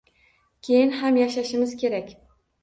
Keyin ham yashashimiz kerak